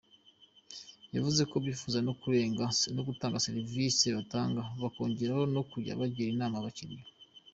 Yavuze ko bifuza no kurenga serivisi batanga, bakongeraho no kujya bagira inama abakiliya.